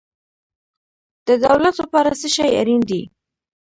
د دولت لپاره څه شی اړین دی؟